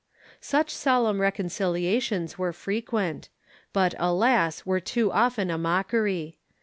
Such solemn reconciliations were frequent, but, alas were too often a mockery.